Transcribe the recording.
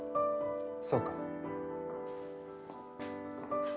そうか。